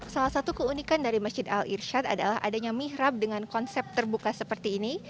salah satu keunikan dari masjid al irshad adalah adanya mihrab dengan konsep terbuka seperti ini